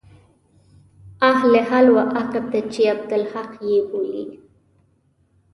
اهل حل و عقد چې عبدالحق يې بولي.